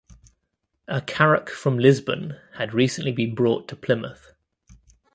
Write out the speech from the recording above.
A carrack from Lisbon had recently been brought to Plymouth.